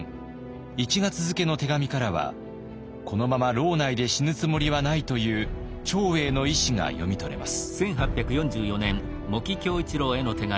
１月付の手紙からはこのまま牢内で死ぬつもりはないという長英の意志が読み取れます。